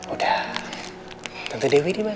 udah tante dewi dimana